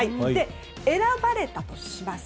選ばれたとします。